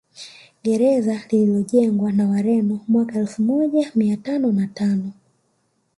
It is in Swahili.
Gereza lililojengwa na Wareno mwaka elfu moja mia tano na tano